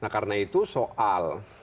karena itu soal